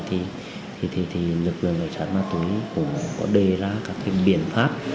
thì lực lượng đấu tranh ma túy cũng có đề ra các biện pháp